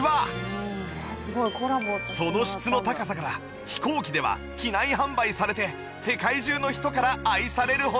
その質の高さから飛行機では機内販売されて世界中の人から愛されるほど